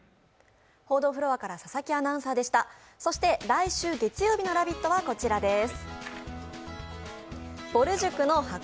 来週月曜日の「ラヴィット！」はこちらです。